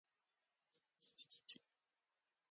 د ضبط شویو ځمکو کچې ټولو ځمکو نییمه جوړوله.